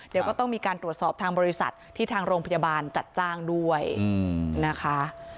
เดี๋ยวก็ต้องมีการตรวจสอบทางบริษัทที่ทางโรงพยาบาลจัดจ้างด้วยนะคะ